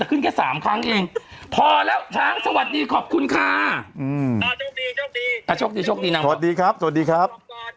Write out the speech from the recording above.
อืออ่าโชคดีโชคดีโชคดีครับสวัสดีครับ